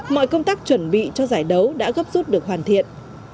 mọi công tác chuẩn bị cho giải đấu đã gấp rút được hoàn thiện